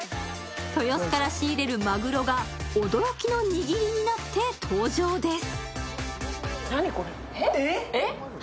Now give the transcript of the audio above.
豊洲から仕入れるマグロが驚きの握りになって登場です。